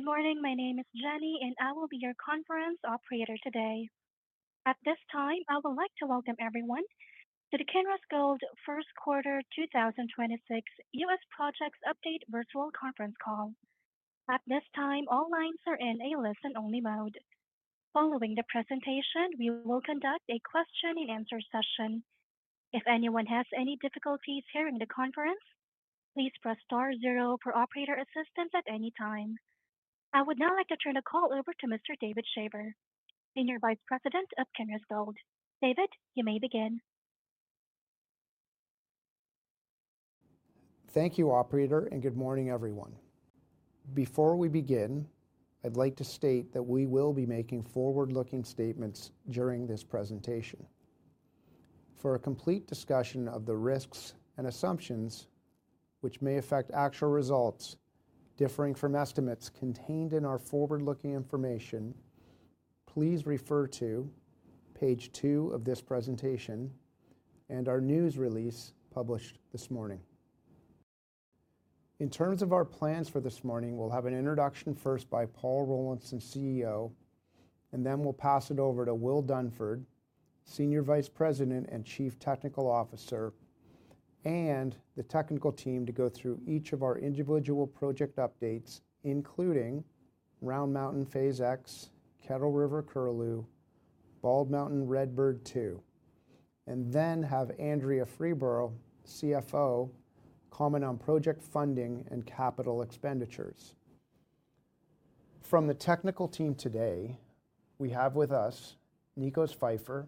Good morning. My name is Jenny, and I will be your conference operator today. At this time, I would like to welcome everyone to the Kinross Gold First Quarter 2026 U.S. Projects Update Virtual Conference Call. At this time, all lines are in a listen-only mode. Following the presentation, we will conduct a question-and-answer session. If anyone has any difficulties hearing the conference, please press star zero for operator assistance at any time. I would now like to turn the call over to Mr. David Shaver, Senior Vice President of Kinross Gold. David, you may begin. Thank you, Operator, and good morning, everyone. Before we begin, I'd like to state that we will be making forward-looking statements during this presentation. For a complete discussion of the risks and assumptions which may affect actual results differing from estimates contained in our forward-looking information, please refer to page two of this presentation and our news release published this morning. In terms of our plans for this morning, we'll have an introduction first by Paul Rollinson, CEO, and then we'll pass it over to Will Dunford, Senior Vice President and Chief Technical Officer, and the technical team to go through each of our individual project updates, including Round Mountain Phase X, Kettle River-Curlew, Bald Mountain Redbird 2, and then have Andrea Freeborough, CFO, comment on project funding and capital expenditures. From the technical team today, we have with us Nicos Pfeiffer,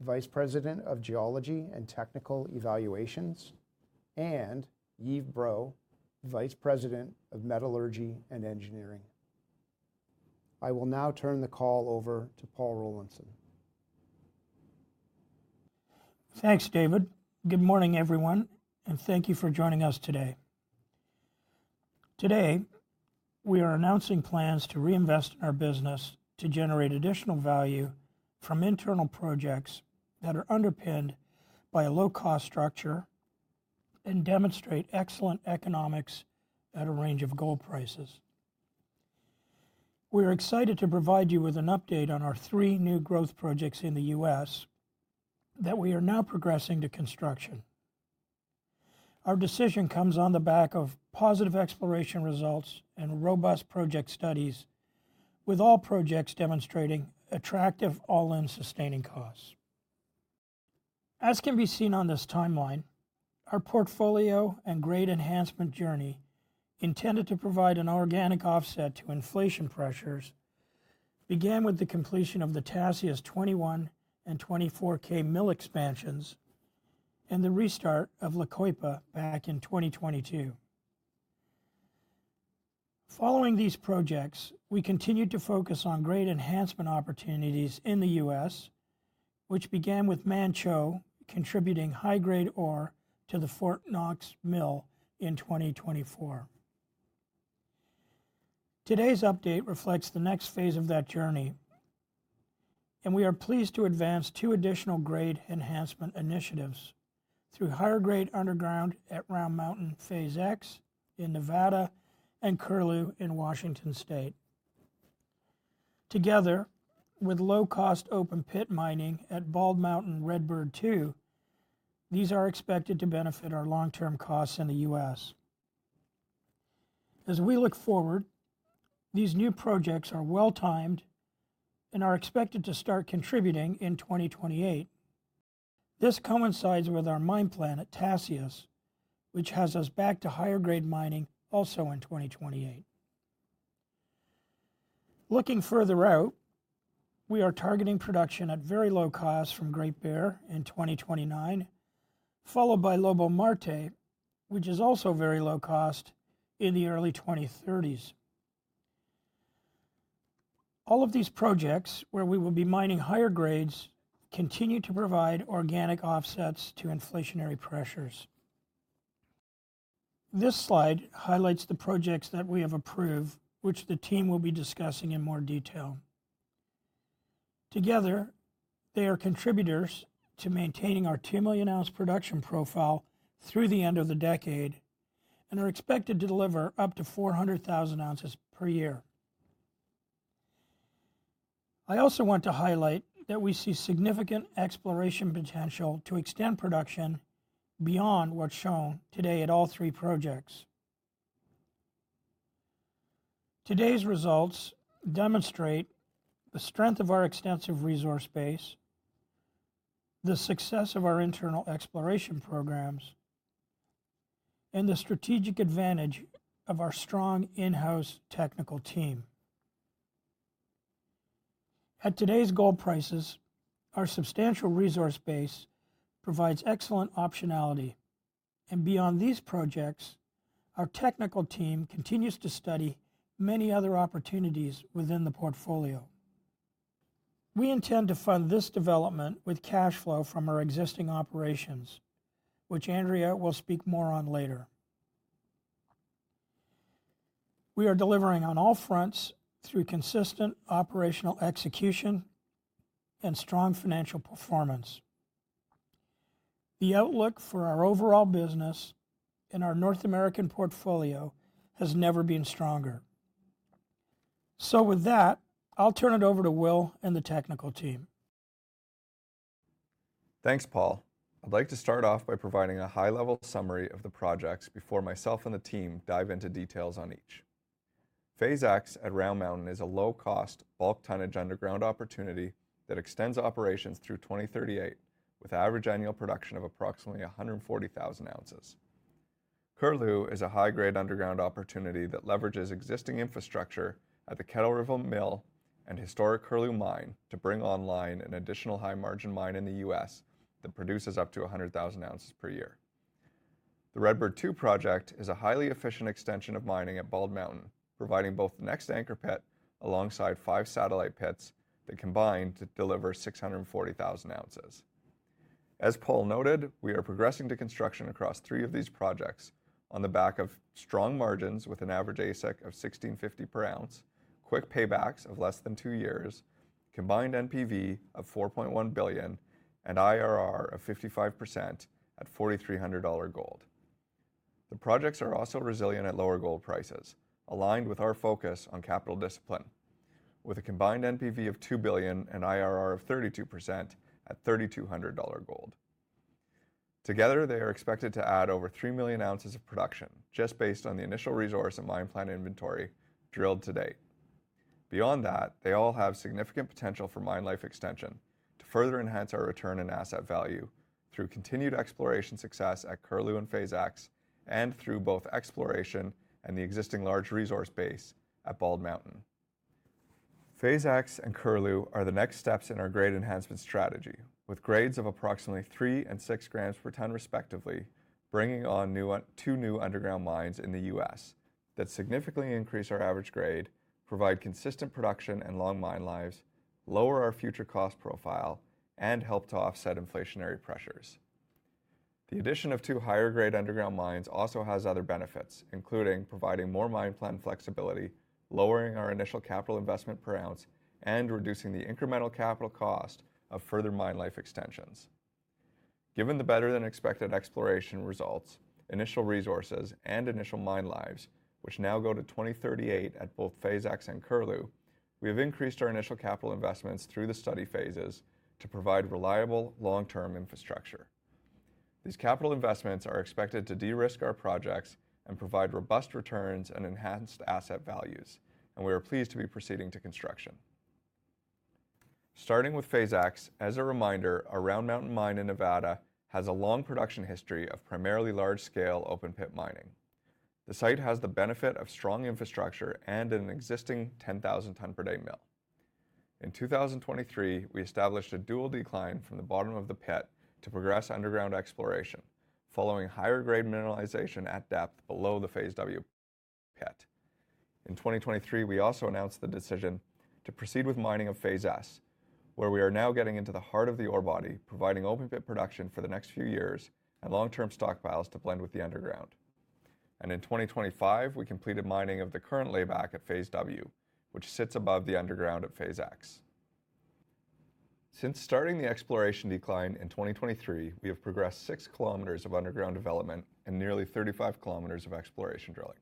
Vice President of Geology and Technical Evaluations, and Yves Breau, Vice President of Metallurgy and Engineering. I will now turn the call over to Paul Rollinson. Thanks, David. Good morning, everyone, and thank you for joining us today. Today, we are announcing plans to reinvest in our business to generate additional value from internal projects that are underpinned by a low-cost structure and demonstrate excellent economics at a range of gold prices. We are excited to provide you with an update on our three new growth projects in the U.S. that we are now progressing to construction. Our decision comes on the back of positive exploration results and robust project studies, with all projects demonstrating attractive all-in sustaining costs. As can be seen on this timeline, our portfolio and grade enhancement journey, intended to provide an organic offset to inflation pressures, began with the completion of the Tasiast 21 and 24k mill expansions and the restart of La Coipa back in 2022. Following these projects, we continued to focus on grade enhancement opportunities in the U.S., which began with Manh Choh contributing high-grade ore to the Fort Knox Mill in 2024. Today's update reflects the next phase of that journey, and we are pleased to advance two additional grade enhancement initiatives through higher-grade underground at Round Mountain Phase X in Nevada and Curlew in Washington State. Together with low-cost open-pit mining at Bald Mountain Redbird 2, these are expected to benefit our long-term costs in the U.S. As we look forward, these new projects are well-timed and are expected to start contributing in 2028. This coincides with our mine plan at Tasiast, which has us back to higher-grade mining also in 2028. Looking further out, we are targeting production at very low cost from Great Bear in 2029, followed by Lobo Marte, which is also very low cost in the early 2030s. All of these projects where we will be mining higher grades continue to provide organic offsets to inflationary pressures. This slide highlights the projects that we have approved, which the team will be discussing in more detail. Together, they are contributors to maintaining our 2 million-ounce production profile through the end of the decade and are expected to deliver up to 400,000 ounces per year. I also want to highlight that we see significant exploration potential to extend production beyond what's shown today at all three projects. Today's results demonstrate the strength of our extensive resource base, the success of our internal exploration programs, and the strategic advantage of our strong in-house technical team. At today's gold prices, our substantial resource base provides excellent optionality, and beyond these projects, our technical team continues to study many other opportunities within the portfolio. We intend to fund this development with cash flow from our existing operations, which Andrea will speak more on later. We are delivering on all fronts through consistent operational execution and strong financial performance. The outlook for our overall business and our North American portfolio has never been stronger. So with that, I'll turn it over to Will and the technical team. Thanks, Paul. I'd like to start off by providing a high-level summary of the projects before myself and the team dive into details on each. Phase X at Round Mountain is a low-cost bulk tonnage underground opportunity that extends operations through 2038, with average annual production of approximately 140,000 ounces. Curlew is a high-grade underground opportunity that leverages existing infrastructure at the Kettle River Mill and historic Curlew Mine to bring online an additional high-margin mine in the U.S. that produces up to 100,000 ounces per year. The Redbird II project is a highly efficient extension of mining at Bald Mountain, providing both the next anchor pit alongside five satellite pits that combine to deliver 640,000 ounces. As Paul noted, we are progressing to construction across three of these projects on the back of strong margins with an average AISC of $1,650 per ounce, quick paybacks of less than two years, combined NPV of $4.1 billion, and IRR of 55% at $4,300 gold. The projects are also resilient at lower gold prices, aligned with our focus on capital discipline, with a combined NPV of $2 billion and IRR of 32% at $3,200 gold. Together, they are expected to add over 3 million ounces of production, just based on the initial resource and mine plan inventory drilled to date. Beyond that, they all have significant potential for mine life extension to further enhance our return and asset value through continued exploration success at Curlew and Phase X, and through both exploration and the existing large resource base at Bald Mountain. Phase X and Curlew are the next steps in our grade enhancement strategy, with grades of approximately three and six grams per ton, respectively, bringing on two new underground mines in the U.S. that significantly increase our average grade, provide consistent production and long mine lives, lower our future cost profile, and help to offset inflationary pressures. The addition of two higher-grade underground mines also has other benefits, including providing more mine plan flexibility, lowering our initial capital investment per ounce, and reducing the incremental capital cost of further mine life extensions. Given the better-than-expected exploration results, initial resources, and initial mine lives, which now go to 2038 at both Phase X and Curlew, we have increased our initial capital investments through the study phases to provide reliable long-term infrastructure. These capital investments are expected to de-risk our projects and provide robust returns and enhanced asset values, and we are pleased to be proceeding to construction. Starting with Phase X, as a reminder, our Round Mountain mine in Nevada has a long production history of primarily large-scale open-pit mining. The site has the benefit of strong infrastructure and an existing 10,000-ton-per-day mill. In 2023, we established a dual decline from the bottom of the pit to progress underground exploration, following higher-grade mineralization at depth below the Phase W pit. In 2023, we also announced the decision to proceed with mining of Phase S, where we are now getting into the heart of the ore body, providing open-pit production for the next few years and long-term stockpiles to blend with the underground. In 2025, we completed mining of the current layback at Phase W, which sits above the underground at Phase X. Since starting the exploration decline in 2023, we have progressed 6 km of underground development and nearly 35 km of exploration drilling.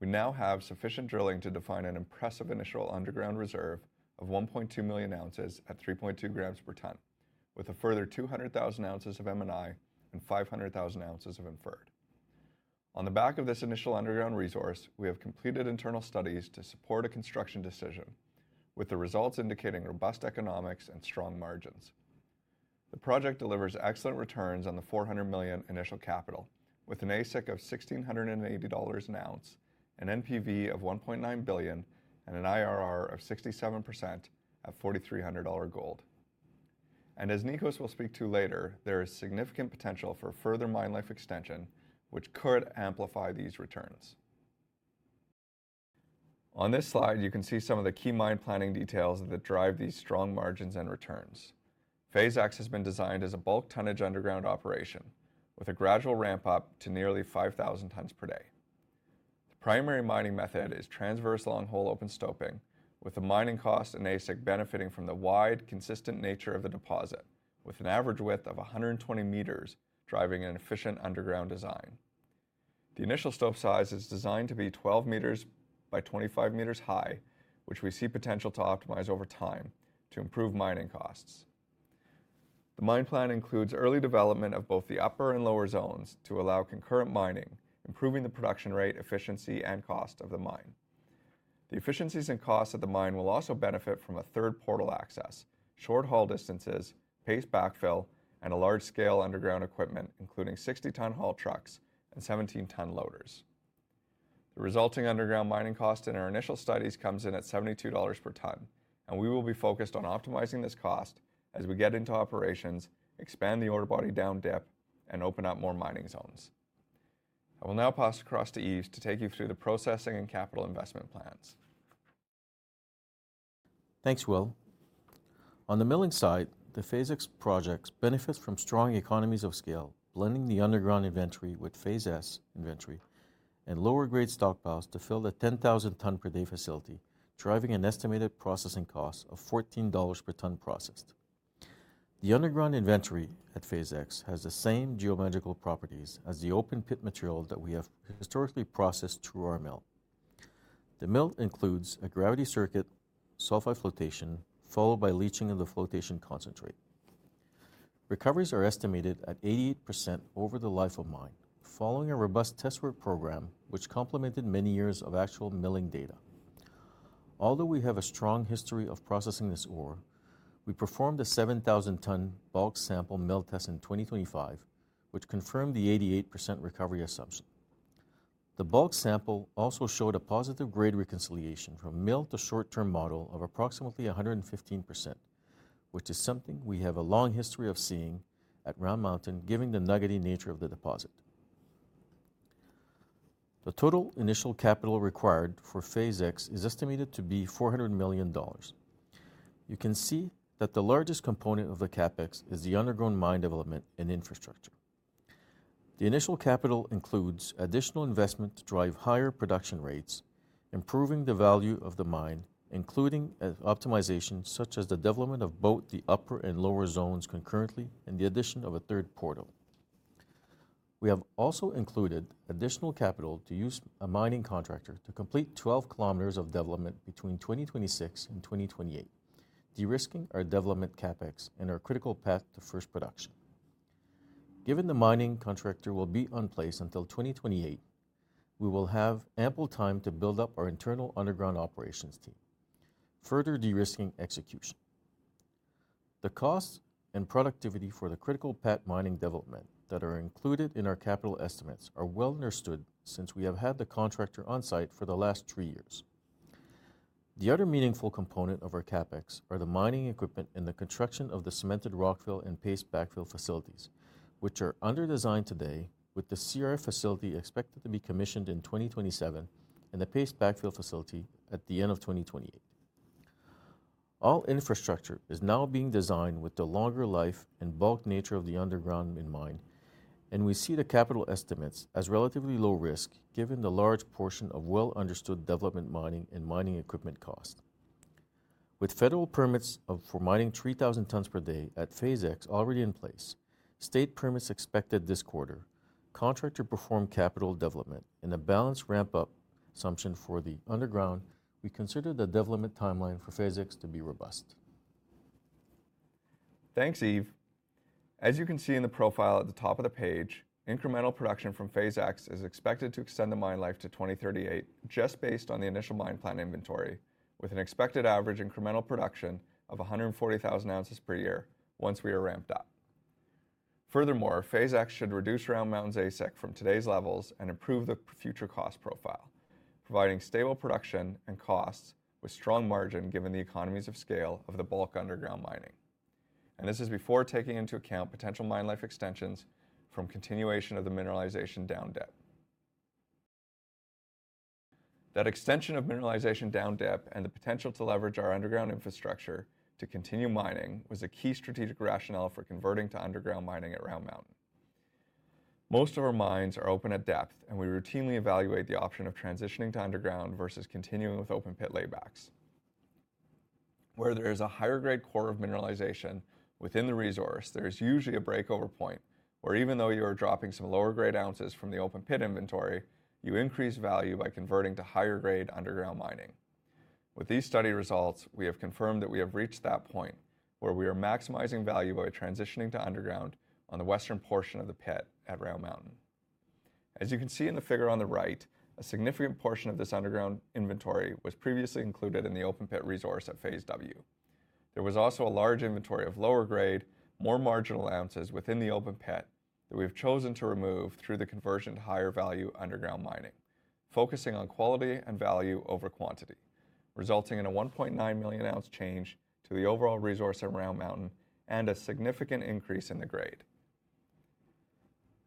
We now have sufficient drilling to define an impressive initial underground reserve of 1.2 million ounces at 3.2 grams per ton, with a further 200,000 ounces of M&I and 500,000 ounces of inferred. On the back of this initial underground resource, we have completed internal studies to support a construction decision, with the results indicating robust economics and strong margins. The project delivers excellent returns on the $400 million initial capital, with an AISC of $1,680 an ounce, an NPV of $1.9 billion, and an IRR of 67% at $4,300 gold. As Nicos will speak to later, there is significant potential for further mine life extension, which could amplify these returns. On this slide, you can see some of the key mine planning details that drive these strong margins and returns. Phase X has been designed as a bulk tonnage underground operation, with a gradual ramp-up to nearly 5,000 tons per day. The primary mining method is transverse long-hole open stoping, with the mining cost and AISC benefiting from the wide, consistent nature of the deposit, with an average width of 120 meters driving an efficient underground design. The initial stope size is designed to be 12 meters by 25 meters high, which we see potential to optimize over time to improve mining costs. The mine plan includes early development of both the upper and lower zones to allow concurrent mining, improving the production rate, efficiency, and cost of the mine. The efficiencies and costs of the mine will also benefit from a third portal access, short haul distances, paste backfill, and a large-scale underground equipment, including 60 ton haul trucks and 17 ton loaders. The resulting underground mining cost in our initial studies comes in at $72 per ton, and we will be focused on optimizing this cost as we get into operations, expand the ore body down depth, and open up more mining zones. I will now pass across to Yves to take you through the processing and capital investment plans. Thanks, Will. On the milling side, the Phase X project benefits from strong economies of scale, blending the underground inventory with Phase S inventory and lower-grade stockpiles to fill the 10,000-ton-per-day facility, driving an estimated processing cost of $14 per ton processed. The underground inventory at Phase X has the same geological properties as the open-pit material that we have historically processed through our mill. The mill includes a gravity circuit, sulfide flotation, followed by leaching of the flotation concentrate. Recoveries are estimated at 88% over the life of mine, following a robust test work program, which complemented many years of actual milling data. Although we have a strong history of processing this ore, we performed a 7,000-ton bulk sample mill test in 2025, which confirmed the 88% recovery assumption. The bulk sample also showed a positive grade reconciliation from mill to short-term model of approximately 115%, which is something we have a long history of seeing at Round Mountain, given the nuggety nature of the deposit. The total initial capital required for Phase X is estimated to be $400 million. You can see that the largest component of the CapEx is the underground mine development and infrastructure. The initial capital includes additional investment to drive higher production rates, improving the value of the mine, including optimizations such as the development of both the upper and lower zones concurrently and the addition of a third portal. We have also included additional capital to use a mining contractor to complete 12 kilometers of development between 2026 and 2028, de-risking our development CapEx and our critical path to first production. Given the mining contractor will be in place until 2028, we will have ample time to build up our internal underground operations team, further de-risking execution. The costs and productivity for the critical path mining development that are included in our capital estimates are well understood since we have had the contractor on site for the last three years. The other meaningful component of our CapEx are the mining equipment and the construction of the cemented rock fill and paste backfill facilities, which are under design today, with the CRF facility expected to be commissioned in 2027 and the paste backfill facility at the end of 2028. All infrastructure is now being designed with the longer life and bulk nature of the underground in mind, and we see the capital estimates as relatively low risk given the large portion of well-understood development mining and mining equipment cost. With federal permits for mining 3,000 tons per day at Phase X already in place, state permits expected this quarter, contractor perform capital development and a balanced ramp-up assumption for the underground. We consider the development timeline for Phase X to be robust. Thanks, Yves. As you can see in the profile at the top of the page, incremental production from Phase X is expected to extend the mine life to 2038, just based on the initial mine plan inventory, with an expected average incremental production of 140,000 ounces per year once we are ramped up. Furthermore, Phase X should reduce Round Mountain's AISC from today's levels and improve the future cost profile, providing stable production and costs with strong margin given the economies of scale of the bulk underground mining. And this is before taking into account potential mine life extensions from continuation of the mineralization down depth. That extension of mineralization down depth and the potential to leverage our underground infrastructure to continue mining was a key strategic rationale for converting to underground mining at Round Mountain. Most of our mines are open at depth, and we routinely evaluate the option of transitioning to underground versus continuing with open-pit laybacks. Where there is a higher-grade core of mineralization within the resource, there is usually a breakover point where, even though you are dropping some lower-grade ounces from the open-pit inventory, you increase value by converting to higher-grade underground mining. With these study results, we have confirmed that we have reached that point where we are maximizing value by transitioning to underground on the western portion of the pit at Round Mountain. As you can see in the figure on the right, a significant portion of this underground inventory was previously included in the open-pit resource at Phase W. There was also a large inventory of lower-grade, more marginal ounces within the open-pit that we have chosen to remove through the conversion to higher-value underground mining, focusing on quality and value over quantity, resulting in a 1.9 million ounce change to the overall resource at Round Mountain and a significant increase in the grade.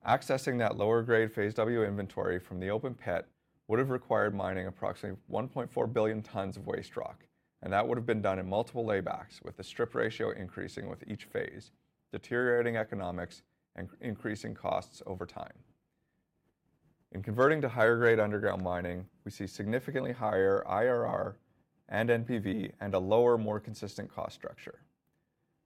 Accessing that lower-grade Phase W inventory from the open-pit would have required mining approximately 1.4 billion tons of waste rock, and that would have been done in multiple laybacks, with the strip ratio increasing with each phase, deteriorating economics, and increasing costs over time. In converting to higher-grade underground mining, we see significantly higher IRR and NPV and a lower, more consistent cost structure.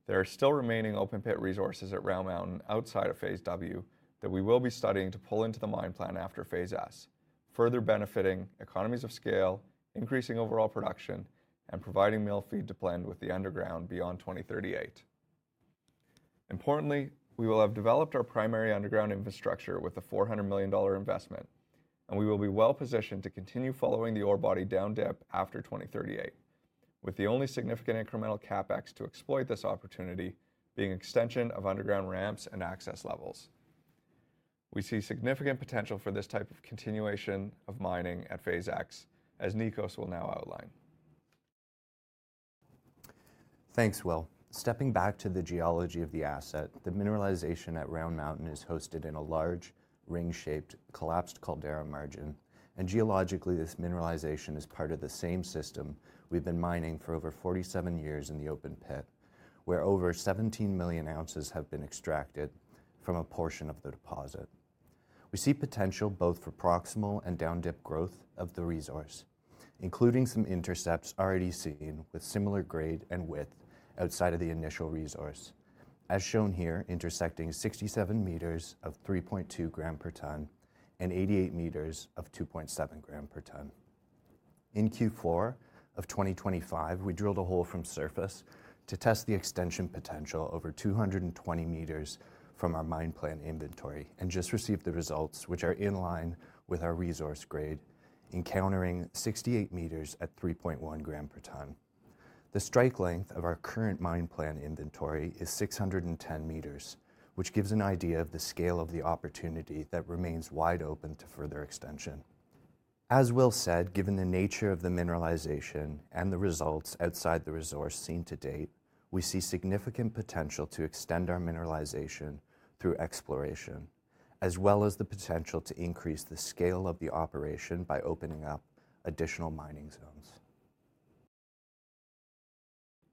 There are still remaining open-pit resources at Round Mountain outside of Phase W that we will be studying to pull into the mine plan after Phase S, further benefiting economies of scale, increasing overall production, and providing mill feed to blend with the underground beyond 2038. Importantly, we will have developed our primary underground infrastructure with a $400 million investment, and we will be well positioned to continue following the ore body down depth after 2038, with the only significant incremental CapEx to exploit this opportunity being extension of underground ramps and access levels. We see significant potential for this type of continuation of mining at Phase X, as Nicos will now outline. Thanks, Will. Stepping back to the geology of the asset, the mineralization at Round Mountain is hosted in a large ring-shaped collapsed caldera margin, and geologically, this mineralization is part of the same system we've been mining for over 47 years in the open-pit, where over 17 million ounces have been extracted from a portion of the deposit. We see potential both for proximal and down depth growth of the resource, including some intercepts already seen with similar grade and width outside of the initial resource, as shown here, intersecting 67 meters of 3.2 grams per ton and 88 meters of 2.7 grams per ton. In Q4 of 2025, we drilled a hole from surface to test the extension potential over 220 meters from our mine plan inventory and just received the results, which are in line with our resource grade, encountering 68 meters at 3.1 grams per ton. The strike length of our current mine plan inventory is 610 meters, which gives an idea of the scale of the opportunity that remains wide open to further extension. As Will said, given the nature of the mineralization and the results outside the resource seen to date, we see significant potential to extend our mineralization through exploration, as well as the potential to increase the scale of the operation by opening up additional mining zones.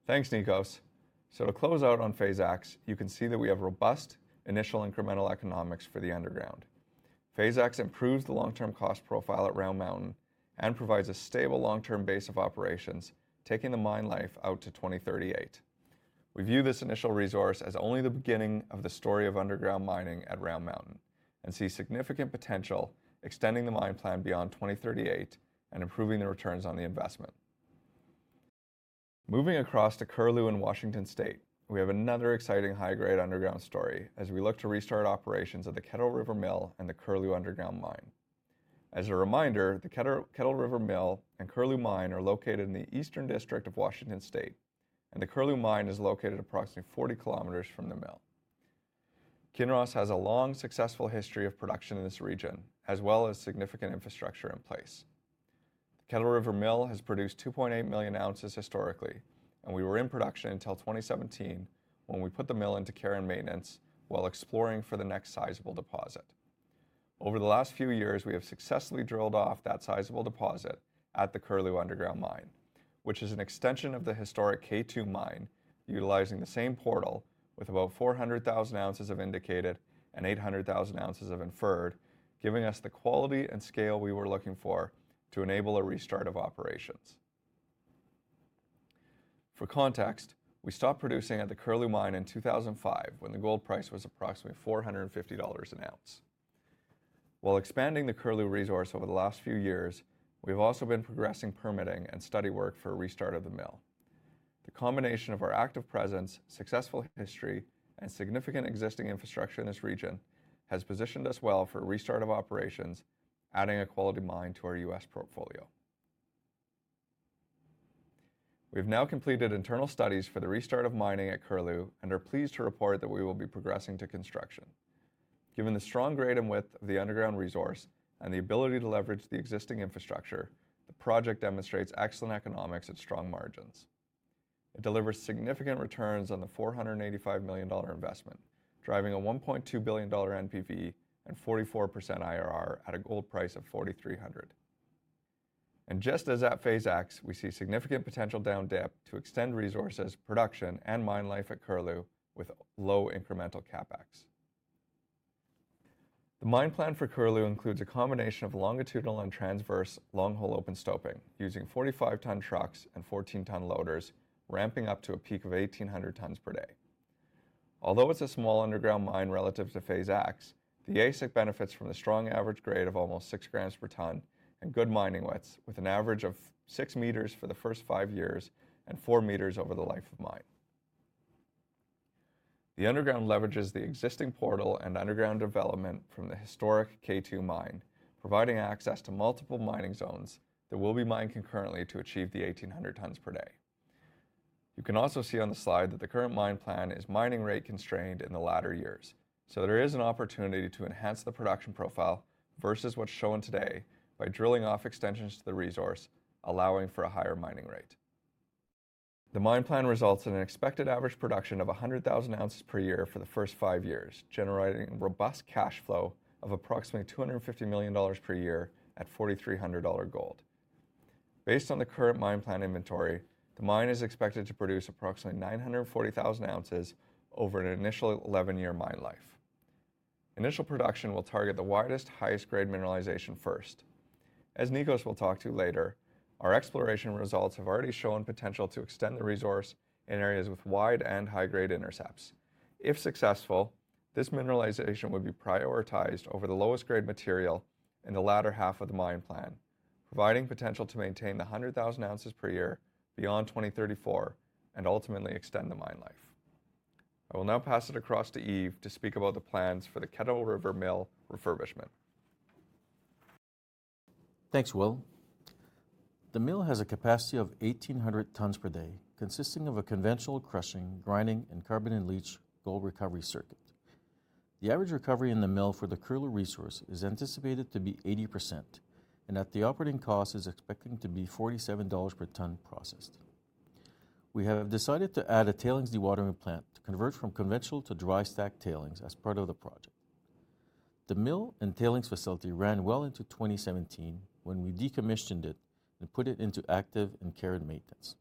Thanks, Nicos. So to close out on Phase X, you can see that we have robust initial incremental economics for the underground. Phase X improves the long-term cost profile at Round Mountain and provides a stable long-term base of operations, taking the mine life out to 2038. We view this initial resource as only the beginning of the story of underground mining at Round Mountain and see significant potential extending the mine plan beyond 2038 and improving the returns on the investment. Moving across to Curlew in Washington State, we have another exciting high-grade underground story as we look to restart operations at the Kettle River Mill and the Curlew Underground Mine. As a reminder, the Kettle River Mill and Curlew Mine are located in the eastern district of Washington State, and the Curlew Mine is located approximately 40 km from the mill. Kinross has a long, successful history of production in this region, as well as significant infrastructure in place. The Kettle River Mill has produced 2.8 million ounces historically, and we were in production until 2017 when we put the mill into care and maintenance while exploring for the next sizable deposit. Over the last few years, we have successfully drilled off that sizable deposit at the Curlew Underground Mine, which is an extension of the historic K2 Mine, utilizing the same portal with about 400,000 ounces of indicated and 800,000 ounces of inferred, giving us the quality and scale we were looking for to enable a restart of operations. For context, we stopped producing at the Curlew Mine in 2005 when the gold price was approximately $450 an ounce. While expanding the Curlew resource over the last few years, we have also been progressing permitting and study work for a restart of the mill. The combination of our active presence, successful history, and significant existing infrastructure in this region has positioned us well for a restart of operations, adding a quality mine to our U.S. portfolio. We have now completed internal studies for the restart of mining at Curlew and are pleased to report that we will be progressing to construction. Given the strong grade and width of the underground resource and the ability to leverage the existing infrastructure, the project demonstrates excellent economics at strong margins. It delivers significant returns on the $485 million investment, driving a $1.2 billion NPV and 44% IRR at a gold price of $4,300. Just as at Phase X, we see significant potential down depth to extend resources, production, and mine life at Curlew with low incremental CapEx. The mine plan for Curlew includes a combination of longitudinal and transverse long-hole open stoping, using 45-ton trucks and 14-ton loaders, ramping up to a peak of 1,800 tons per day. Although it's a small underground mine relative to Phase X, the AISC benefits from the strong average grade of almost six grams per ton and good mining widths, with an average of six meters for the first five years and four meters over the life of mine. The underground leverages the existing portal and underground development from the historic K2 Mine, providing access to multiple mining zones that will be mined concurrently to achieve the 1,800 tons per day. You can also see on the slide that the current mine plan is mining rate constrained in the latter years, so there is an opportunity to enhance the production profile versus what's shown today by drilling off extensions to the resource, allowing for a higher mining rate. The mine plan results in an expected average production of 100,000 ounces per year for the first five years, generating robust cash flow of approximately $250 million per year at $4,300 gold. Based on the current mine plan inventory, the mine is expected to produce approximately 940,000 ounces over an initial 11-year mine life. Initial production will target the widest, highest-grade mineralization first. As Nicos will talk to you later, our exploration results have already shown potential to extend the resource in areas with wide and high-grade intercepts. If successful, this mineralization would be prioritized over the lowest-grade material in the latter half of the mine plan, providing potential to maintain the 100,000 ounces per year beyond 2034 and ultimately extend the mine life. I will now pass it across to Yves to speak about the plans for the Kettle River Mill refurbishment. Thanks, Will. The mill has a capacity of 1,800 tons per day, consisting of a conventional crushing, grinding, and carbon-in-leach gold recovery circuit. The average recovery in the mill for the Curlew resource is anticipated to be 80%, and that the operating cost is expecting to be $47 per ton processed. We have decided to add a tailings dewatering plant to convert from conventional to dry stack tailings as part of the project. The mill and tailings facility ran well into 2017 when we decommissioned it and put it into care and maintenance.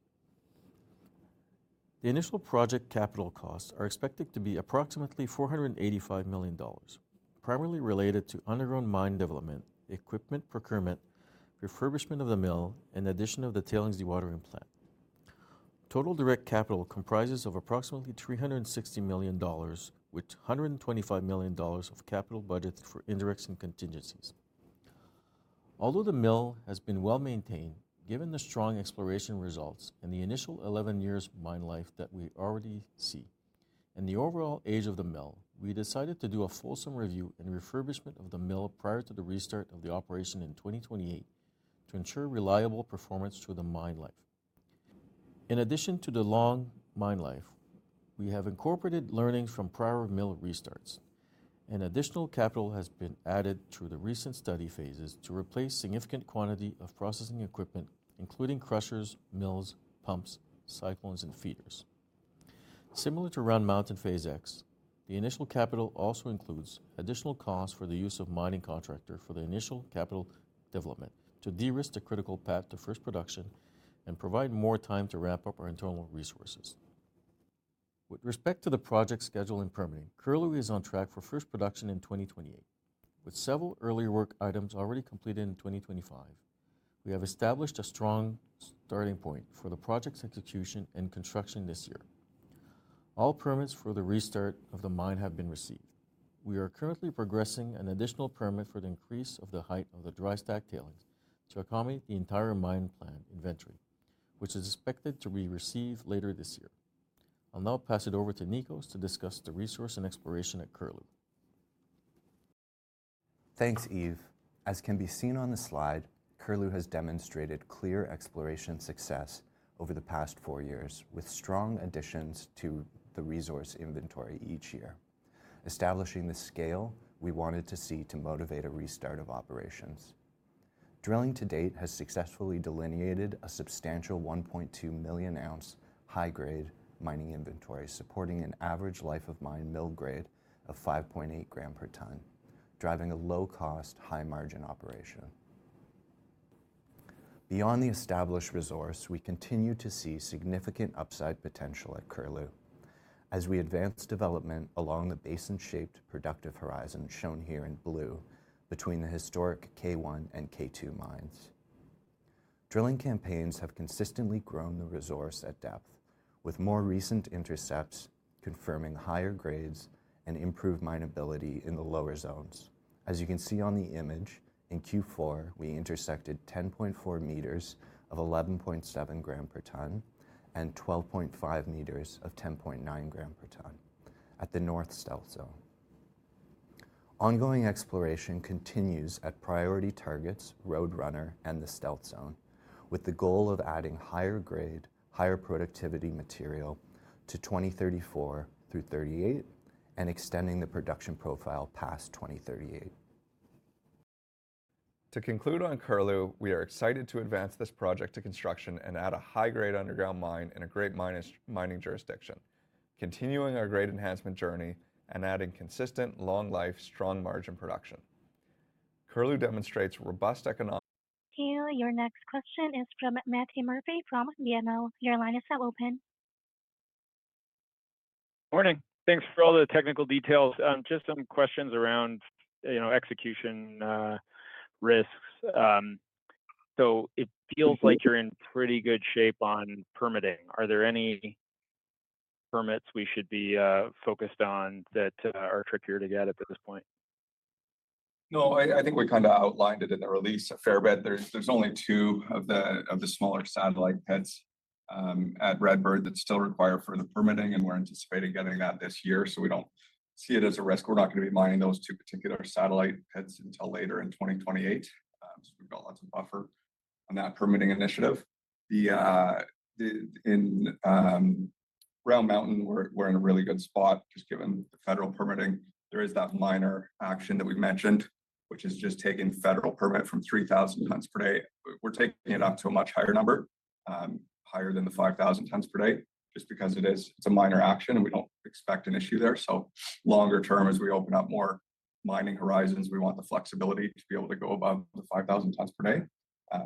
The initial project capital costs are expected to be approximately $485 million, primarily related to underground mine development, equipment procurement, refurbishment of the mill, and addition of the tailings dewatering plant. Total direct capital comprises of approximately $360 million, with $125 million of capital budget for indirects and contingencies. Although the mill has been well maintained, given the strong exploration results and the initial 11 years mine life that we already see, and the overall age of the mill, we decided to do a fulsome review and refurbishment of the mill prior to the restart of the operation in 2028 to ensure reliable performance to the mine life. In addition to the long mine life, we have incorporated learnings from prior mill restarts. An additional capital has been added through the recent study phases to replace a significant quantity of processing equipment, including crushers, mills, pumps, cyclones, and feeders. Similar to Round Mountain Phase X, the initial capital also includes additional costs for the use of mining contractor for the initial capital development to de-risk the critical path to first production and provide more time to ramp up our internal resources. With respect to the project schedule and permitting, Curlew is on track for first production in 2028. With several early work items already completed in 2025, we have established a strong starting point for the project's execution and construction this year. All permits for the restart of the mine have been received. We are currently progressing an additional permit for the increase of the height of the dry stack tailings to accommodate the entire mine plan inventory, which is expected to be received later this year. I'll now pass it over to Nicos to discuss the resource and exploration at Curlew. Thanks, Yves. As can be seen on the slide, Curlew has demonstrated clear exploration success over the past four years, with strong additions to the resource inventory each year, establishing the scale we wanted to see to motivate a restart of operations. Drilling to date has successfully delineated a substantial 1.2 million ounce high-grade mining inventory, supporting an average life of mine mill grade of 5.8 grams per ton, driving a low-cost, high-margin operation. Beyond the established resource, we continue to see significant upside potential at Curlew as we advance development along the basin-shaped productive horizon shown here in blue between the historic K1 and K2 mines. Drilling campaigns have consistently grown the resource at depth, with more recent intercepts confirming higher grades and improved mineability in the lower zones. As you can see on the image, in Q4, we intersected 10.4 meters of 11.7 grams per ton and 12.5 meters of 10.9 grams per ton at the North Stealth Zone. Ongoing exploration continues at priority targets, Roadrunner, and the Stealth Zone, with the goal of adding higher grade, higher productivity material to 2034 through 2038 and extending the production profile past 2038. To conclude on Curlew, we are excited to advance this project to construction and add a high-grade underground mine in a great mining jurisdiction, continuing our grade enhancement journey and adding consistent, long-life, strong margin production. Curlew demonstrates robust economics. Team, your next question is from Matthew Murphy from Barclays. Your line is now open. Morning. Thanks for all the technical details. Just some questions around execution risks. So it feels like you're in pretty good shape on permitting. Are there any permits we should be focused on that are trickier to get at this point? No, I think we kind of outlined it in the release a fair bit. There's only two of the smaller satellite pits at Redbird that still require further permitting, and we're anticipating getting that this year. So we don't see it as a risk. We're not going to be mining those two particular satellite pits until later in 2028. So we've got lots of buffer on that permitting initiative. In Round Mountain, we're in a really good spot just given the federal permitting. There is that minor action that we mentioned, which is just taking federal permit from 3,000 tons per day. We're taking it up to a much higher number, higher than the 5,000 tons per day, just because it's a minor action, and we don't expect an issue there. So longer term, as we open up more mining horizons, we want the flexibility to be able to go above the 5,000 tons per day.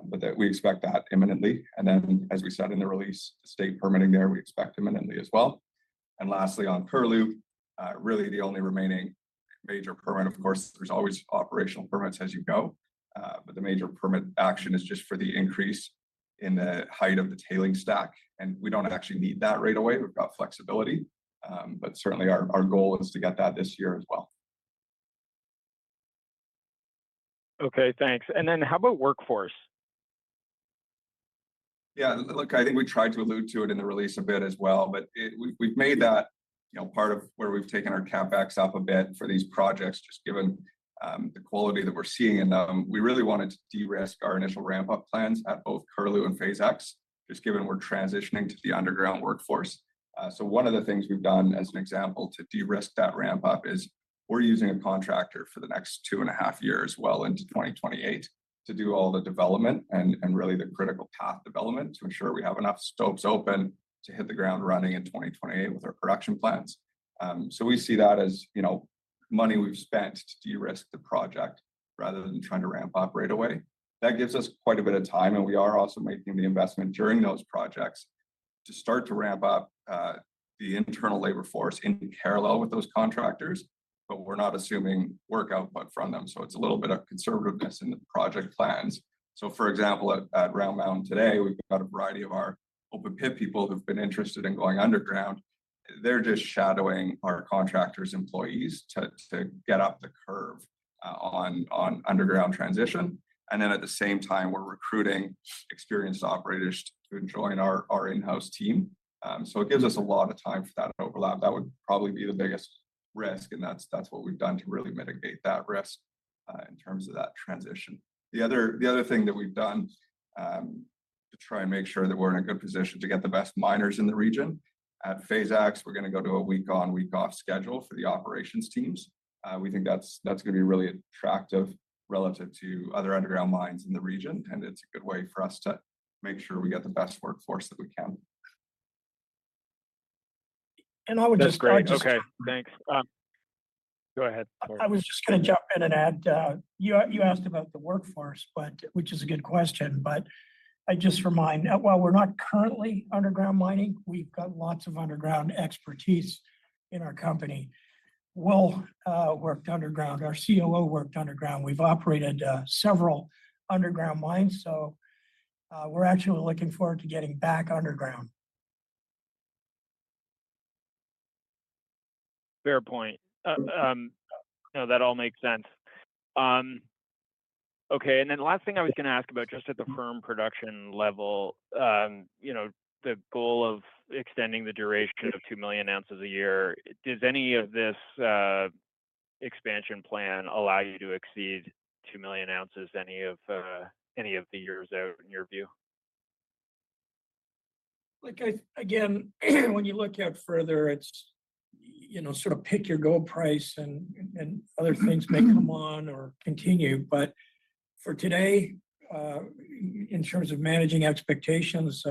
But we expect that imminently. And then, as we said in the release, the state permitting there, we expect imminently as well. And lastly, on Curlew, really the only remaining major permit, of course, there's always operational permits as you go, but the major permit action is just for the increase in the height of the tailings stack. And we don't actually need that right away. We've got flexibility. But certainly, our goal is to get that this year as well. Okay, thanks. And then how about workforce? Yeah, look, I think we tried to allude to it in the release a bit as well, but we've made that part of where we've taken our CapEx up a bit for these projects, just given the quality that we're seeing in them. We really wanted to de-risk our initial ramp-up plans at both Curlew and Phase X, just given we're transitioning to the underground workforce. So one of the things we've done as an example to de-risk that ramp-up is we're using a contractor for the next two and a half years, well into 2028, to do all the development and really the critical path development to ensure we have enough stopes open to hit the ground running in 2028 with our production plans. So we see that as money we've spent to de-risk the project rather than trying to ramp up right away. That gives us quite a bit of time, and we are also making the investment during those projects to start to ramp up the internal labor force in parallel with those contractors, but we're not assuming work output from them. So it's a little bit of conservativeness in the project plans. So for example, at Round Mountain today, we've got a variety of our open pit people who've been interested in going underground. They're just shadowing our contractors' employees to get up the curve on underground transition. And then at the same time, we're recruiting experienced operators to join our in-house team. So it gives us a lot of time for that overlap. That would probably be the biggest risk, and that's what we've done to really mitigate that risk in terms of that transition. The other thing that we've done to try and make sure that we're in a good position to get the best miners in the region, at Phase X, we're going to go to a week-on, week-off schedule for the operations teams. We think that's going to be really attractive relative to other underground mines in the region, and it's a good way for us to make sure we get the best workforce that we can. I would just. That's great. Okay, thanks. Go ahead. I was just going to jump in and add, you asked about the workforce, which is a good question, but I just remind, while we're not currently underground mining, we've got lots of underground expertise in our company. Will worked underground. Our COO worked underground. We've operated several underground mines, so we're actually looking forward to getting back underground. Fair point. No, that all makes sense. Okay, and then last thing I was going to ask about just at the firm production level, the goal of extending the duration of 2 million ounces a year, does any of this expansion plan allow you to exceed 2 million ounces any of the years out in your view? Look, again, when you look at further, it's sort of pick your gold price, and other things may come on or continue. But for today, in terms of managing expectations,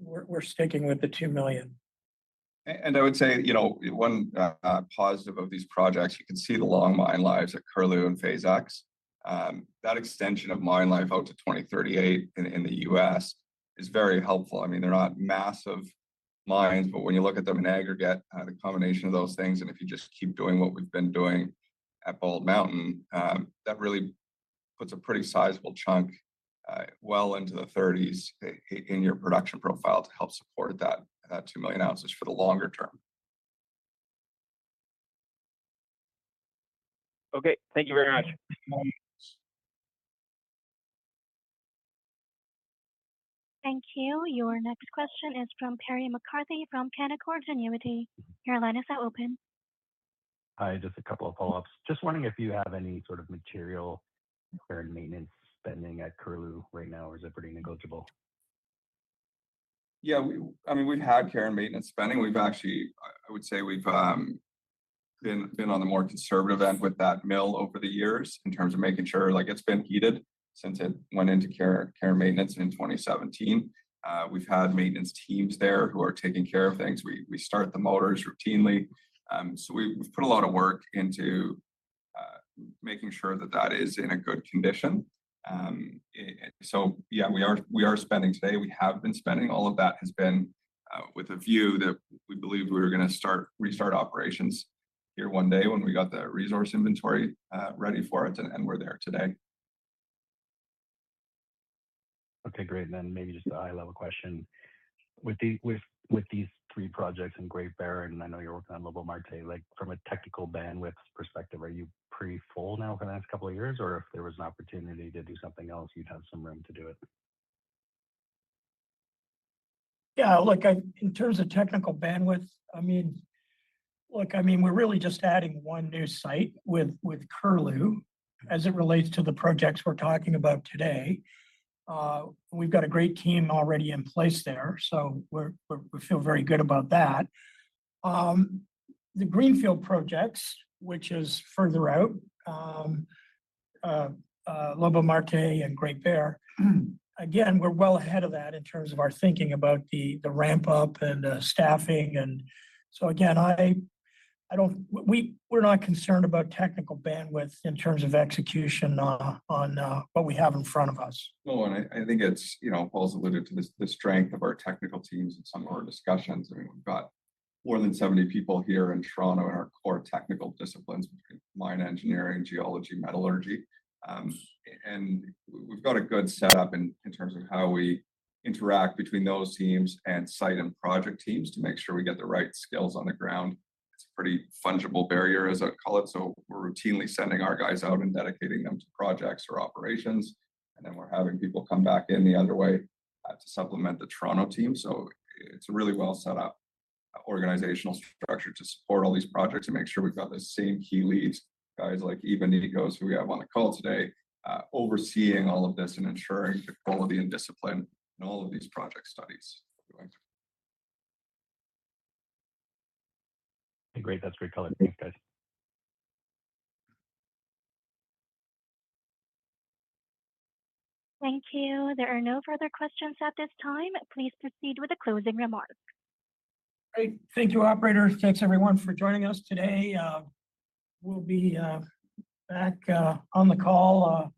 we're sticking with the 2 million. And I would say one positive of these projects, you can see the long mine lives at Curlew and Phase X. That extension of mine life out to 2038 in the U.S. is very helpful. I mean, they're not massive mines, but when you look at them in aggregate, the combination of those things, and if you just keep doing what we've been doing at Bald Mountain, that really puts a pretty sizable chunk well into the 30s in your production profile to help support that 2 million ounces for the longer term. Okay, thank you very much. Thank you. Your next question is from Carey MacRury from Canaccord Genuity. Your line is now open. Hi, just a couple of follow-ups. Just wondering if you have any sort of material care and maintenance spending at Curlew right now, or is it pretty negligible? Yeah, I mean, we've had care and maintenance spending. I would say we've been on the more conservative end with that mill over the years in terms of making sure it's been heated since it went into care and maintenance in 2017. We've had maintenance teams there who are taking care of things. We start the motors routinely. So we've put a lot of work into making sure that that is in a good condition. So yeah, we are spending today. We have been spending. All of that has been with a view that we believe we were going to restart operations here one day when we got the resource inventory ready for it, and we're there today. Okay, great. And then maybe just a high-level question. With these three projects and Great Bear, and I know you're working on Lobo Marte, from a technical bandwidth perspective, are you pretty full now for the next couple of years? Or if there was an opportunity to do something else, you'd have some room to do it? Yeah, look, in terms of technical bandwidth, I mean, look, I mean, we're really just adding one new site with Curlew as it relates to the projects we're talking about today. We've got a great team already in place there, so we feel very good about that. The Greenfield projects, which is further out, Lobo Marte and Great Bear, again, we're well ahead of that in terms of our thinking about the ramp-up and staffing. And so again, we're not concerned about technical bandwidth in terms of execution on what we have in front of us. Well, and I think it's Paul's alluded to the strength of our technical teams in some of our discussions. I mean, we've got more than 70 people here in Toronto in our core technical disciplines between mine engineering, geology, metallurgy. And we've got a good setup in terms of how we interact between those teams and site and project teams to make sure we get the right skills on the ground. It's a pretty fungible barrier, as I call it. So we're routinely sending our guys out and dedicating them to projects or operations. And then we're having people come back in the other way to supplement the Toronto team. So it's a really well set-up organizational structure to support all these projects and make sure we've got the same key leads, guys like Yves and Nicos, who we have on the call today, overseeing all of this and ensuring the quality and discipline in all of these project studies. Great, that's great color. Thanks, guys. Thank you. There are no further questions at this time. Please proceed with the closing remarks. Great. Thank you, operators. Thanks, everyone, for joining us today. We'll be back on the call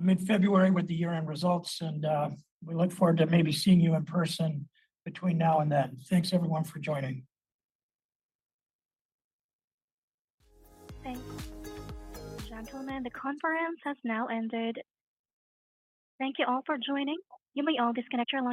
mid-February with the year-end results, and we look forward to maybe seeing you in person between now and then. Thanks, everyone, for joining. Thanks, gentlemen. The conference has now ended. Thank you all for joining. You may all disconnect your lines.